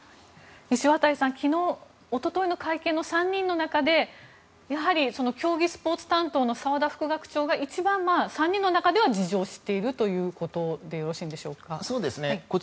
石渡さん、一昨日の会見の３人の中でやはり競技スポーツ担当の澤田副学長が一番、３人の中では事情を知っているということでよろしいんでしょうか。